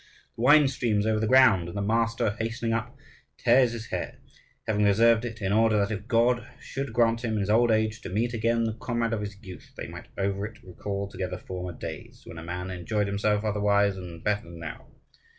The wine streams over the ground, and the master, hastening up, tears his hair, having reserved it, in order that if God should grant him, in his old age, to meet again the comrade of his youth, they might over it recall together former days, when a man enjoyed himself otherwise and better than now.